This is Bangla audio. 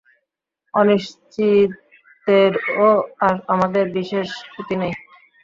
অনিশ্চিতত্বেও আমাদের বিশেষ ক্ষতি নাই।